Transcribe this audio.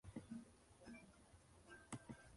Baker y King dispuestos cada uno de uno de los aviones.